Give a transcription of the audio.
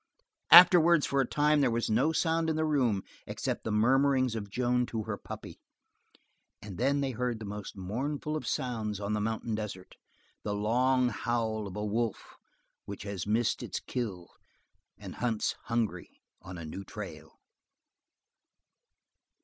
Afterwards for a time there was no sound in the room except the murmurings of Joan to her puppy, and then they heard that most mournful of sounds on the mountain desert, the long howl of a wolf which has missed its kill, and hunts hungry on a new trail.